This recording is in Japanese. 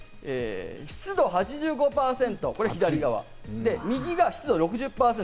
湿度８５％、これが左側、右が湿度６０％。